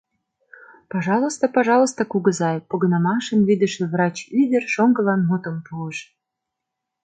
— Пожалуйста, пожалуйста, кугызай! — погынымашым вӱдышӧ врач ӱдыр шоҥгылан мутым пуыш.